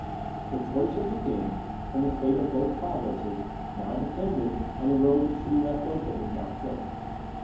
The choice of the king, and the fate of both provinces, now depended on the road that should be left open to Count Tilly.